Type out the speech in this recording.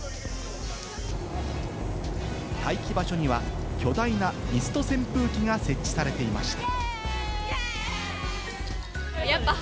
待機場所には巨大なミスト扇風機が設置されていました。